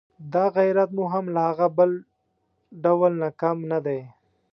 دا غیرت مو هم له هغه بل ډول نه کم نه دی.